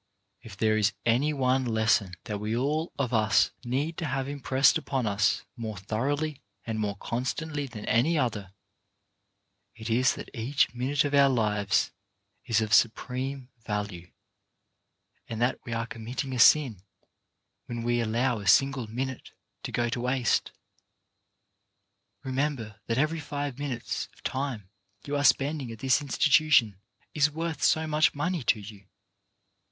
If there is any one lesson that we all of us need to have impressed upon us more thoroughly and more constantly than any other, it is that each minute of our lives is of supreme value, and that we are committing a sin when we allow a single minute to go to waste. Remember that every five minutes of time you are spending at this in stitution is worth so much money to you.